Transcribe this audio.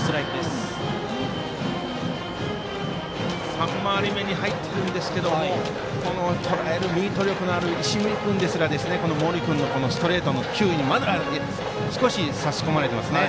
３回り目に入っていますがとらえる、ミート力のある石見君ですらこの森君のストレートの球威にまだ少し差し込まれていますね。